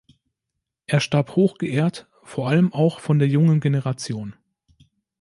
Er starb hoch geehrt, vor allem auch von der jungen Generation.